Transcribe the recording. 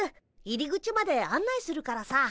入り口まで案内するからさ。